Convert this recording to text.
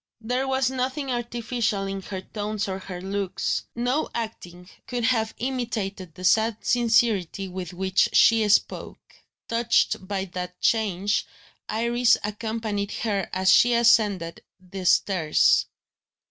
There was nothing artificial in her tones or her looks; no acting could have imitated the sad sincerity with which she spoke. Touched by that change, Iris accompanied her as she ascended the stairs.